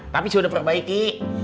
tapi sudah perbaiki